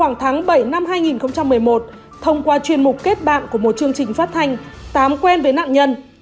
năm hai nghìn một mươi một thông qua chuyên mục kết bạn của một chương trình phát thanh tám quen với nạn nhân